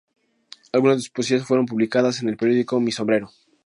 Algunas de sus poesías fueron publicadas en el periódico "Mi Sombrero".